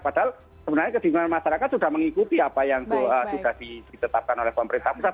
padahal sebenarnya kedingungan masyarakat sudah mengikuti apa yang sudah ditetapkan oleh pemerintah pusat